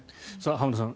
浜田さん